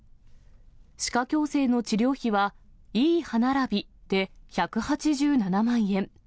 歯科矯正の治療費は、いい歯並びで１８７万円。